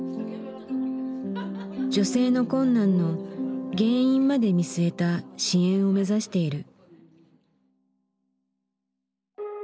女性の困難の原因まで見据えた支援を目指している。